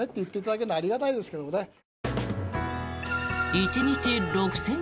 １日６０００